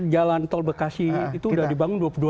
jalan tol bekasi itu sudah dibangun